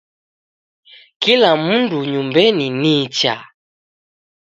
Kila mundu nyumbenyi nicha?